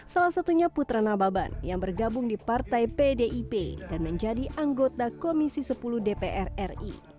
salah satunya putra nababan yang bergabung di partai pdip dan menjadi anggota komisi sepuluh dpr ri